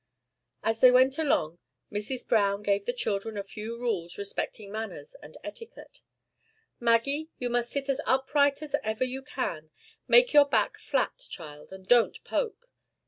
As they went along, Mrs. Browne gave the children a few rules respecting manners and etiquette. "Maggie! you must sit as upright as ever you can; make your back flat, child, and don't poke.